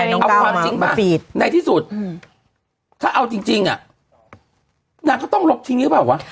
เอาความจริงป่ะในที่สุดถ้าเอาจริงอ่ะนางก็ต้องลบทิ้งหรือเปล่าวะ